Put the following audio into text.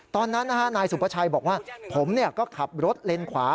ตอนนั้นน่ะฮะนายสุประชัยบอกว่าผมเนี่ยก็ขับรถเล็นขวา